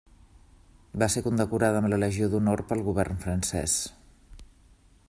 Va ser condecorada amb la Legió d'Honor pel govern francès.